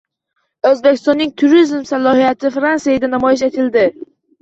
O‘zbekistonning turizm salohiyati Fransiyada namoyish etildi